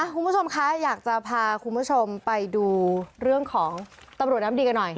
คุณผู้ชมคะอยากจะพาคุณผู้ชมไปดูเรื่องของตำรวจน้ำดีกันหน่อย